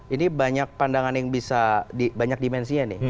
ini banyak pandangan yang bisa banyak dimensinya